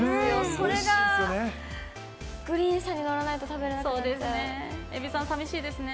それがグリーン車に乗らないと、えびさん、寂しいですよね。